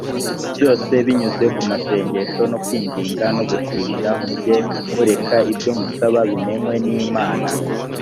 byose binyuze ku masengesho no kwinginga no gushimira mujye mureka ibyo musaba bimenywe n imana